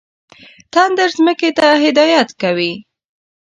تندر ځمکې ته هدایت کوي.